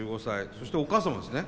そしてお母様ですね。